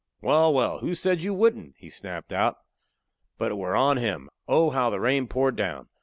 "Wal, wal! who said you wouldn't?" he snapped out. But it were on him. Oh, how the rain poured down!